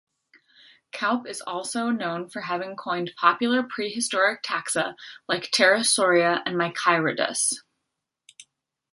Kaup is also known for having coined popular prehistoric taxa like "Pterosauria" and "Machairodus".